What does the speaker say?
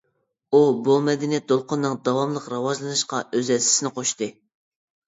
ئۇ، بۇ مەدەنىيەت دولقۇنىنىڭ داۋاملىق راۋاجلىنىشىغا ئۆز ھەسسىسىنى قوشتى.